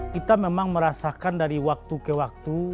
kita memang merasakan dari waktu ke waktu